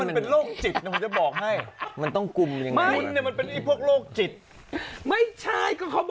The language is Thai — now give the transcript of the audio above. คุณมันเป็นโลกจิตผมจะบอกให้